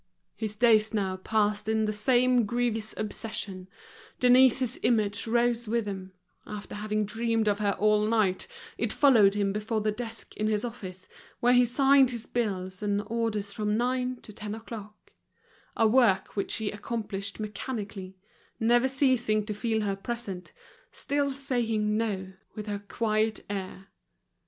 His days now passed in the same grievous obsession, Denise's image rose with him; after having dreamed of her all night, it followed him before the desk in his office, where he signed his bills and orders from nine to ten o'clock: a work which he accomplished mechanically, never ceasing to feel her present, still saying no, with her quiet air.